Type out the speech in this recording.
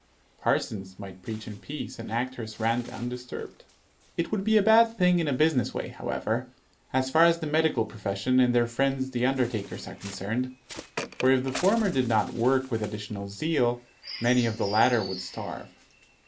Parsons might preach in peace, and actors rant undisturbed. It would be a bad thing in a business way, however, as far as the medical profession and their friends the undertakers are concerned; for, if the former did not work with additional zeal, many of the latter would starve.